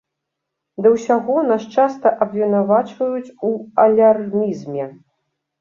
Да ўсяго нас часта абвінавачваюць у алярмізме.